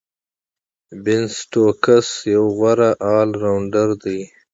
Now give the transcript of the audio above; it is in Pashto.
بین سټوکس یو غوره آل راونډر دئ.